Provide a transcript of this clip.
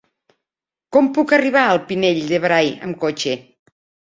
Com puc arribar al Pinell de Brai amb cotxe?